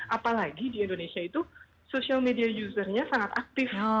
apalagi di indonesia itu social media usernya sangat aktif